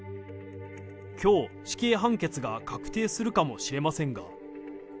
きょう、死刑判決が確定するかもしれませんが。